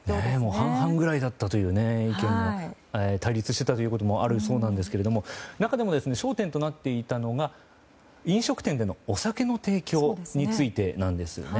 半々ぐらいで対立していたということもあるそうですが中でも焦点となっていたのが飲食店でのお酒の提供についてなんです。